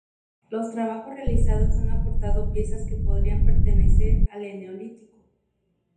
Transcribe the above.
Los trabajos realizados han aportado piezas que podrían pertenecer al Eneolítico.